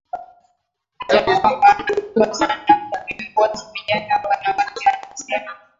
Itakuwa na maana kubwa sana kwa viongozi vijana wanawake amesema